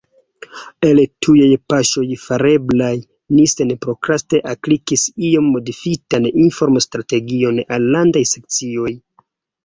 El tujaj paŝoj fareblaj, ni senprokraste aplikis iom modifitan informstrategion al Landaj Sekcioj.